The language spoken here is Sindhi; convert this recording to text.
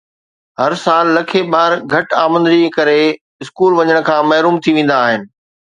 هر سال لکين ٻار گهٽ آمدني جي ڪري اسڪول وڃڻ کان محروم ٿي ويندا آهن